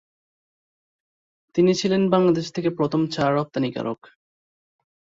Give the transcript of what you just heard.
তিনি ছিলেন বাংলাদেশ থেকে প্রথম চা রপ্তানিকারক।